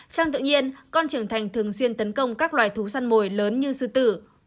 trang tự nhiên con trưởng thành thường xuyên tấn công các loài thú săn mồi lớn như sư tử